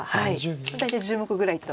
大体１０目ぐらいと。